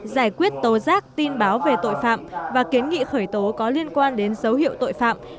giải quyết tố giác tin báo về tội phạm và kiến nghị khởi tố có liên quan đến dấu hiệu tội phạm